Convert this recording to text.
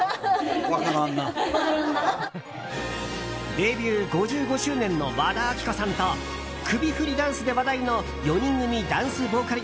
デビュー５５周年の和田アキ子さんと首振りダンスで話題の４人組ダンスボーカル